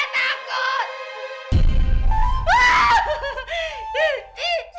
wah mbak be takut